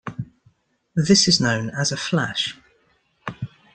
This is known as a 'flash'.